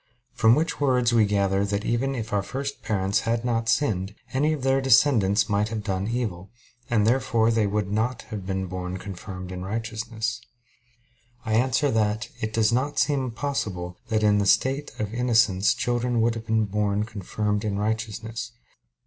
From which words we gather that even if our first parents had not sinned, any of their descendants might have done evil; and therefore they would not have been born confirmed in righteousness. I answer that, It does not seem possible that in the state of innocence children would have been born confirmed in righteousness.